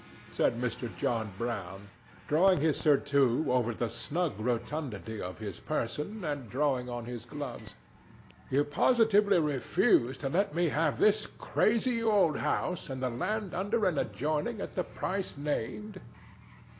said Mr. John Brown, buttoning his surtout over the snug rotundity of his person and drawing on his gloves. "You positively refuse to let me have this crazy old house, and the land under and adjoining, at the price named?"